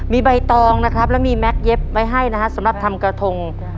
มีใบตองนะครับแล้วมีแก๊กเย็บไว้ให้นะฮะสำหรับทำกระทง